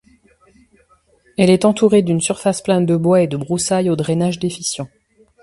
Elle est entourée d'une surface plane de bois et de broussailles au drainage déficient.